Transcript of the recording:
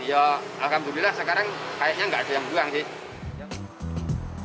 ya alhamdulillah sekarang kayaknya nggak ada yang buang sih